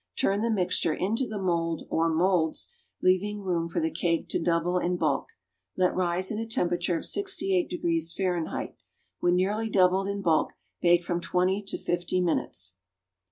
Turn the mixture into the mould or moulds, leaving room for the cake to double in bulk. Let rise in a temperature of 68° F. When nearly doubled in bulk, bake from twenty to fifty minutes.